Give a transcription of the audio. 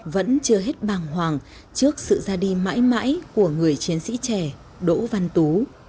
vẫn chưa hết bàng hoàng trước sự ra đi mãi mãi của người chiến sĩ trẻ đỗ văn tú